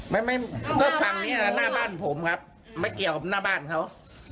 ไม่ไม่ก็ฝั่งนี้นะหน้าบ้านผมครับไม่เกี่ยวกับหน้าบ้านเขา